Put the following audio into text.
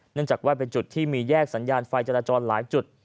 จากว่าเป็นจุดที่มีแยกสัญญาณไฟจราจรหลายจุด